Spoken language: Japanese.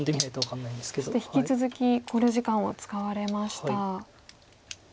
そして引き続き考慮時間を使われました。